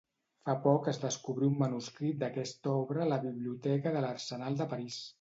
Fa poc es descobrí un manuscrit d'aquesta obra a la Biblioteca de l'Arsenal de París.